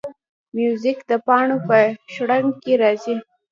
موزیک د پاڼو په شرنګ کې راځي.